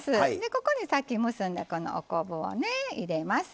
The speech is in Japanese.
ここにさっき結んだこのお昆布をね入れます。